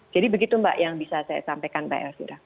jadi begitu mbak yang bisa saya sampaikan mbak elvira